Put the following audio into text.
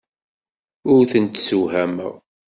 Ur tent-ssewhameɣ.